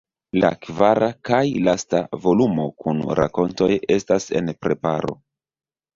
La kvara kaj lasta volumo kun rakontoj estas en preparo.